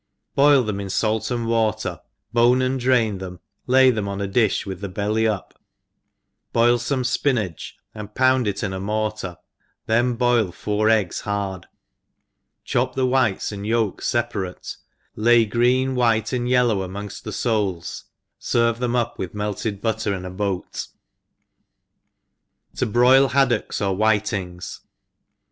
BOIL them in fait and water, bone and drain them, lay them on a diih with the belly up, boil fome (pinajge and pound it in a mortar, then boil four eggs hard, chop the whites and yolks feparate, lay green, white, and yellow amongft the foles, ferve them up with melted butter in a boat. T(? broil Haodocks or WftitiNCs.